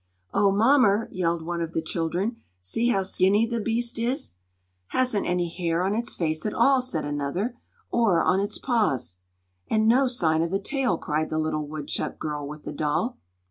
"Oh, mommer!" yelled one of the children, "see how skinny the beast is!" "Hasn't any hair on its face at all," said another, "or on its paws!" "And no sign of a tail!" cried the little woodchuck girl with the doll.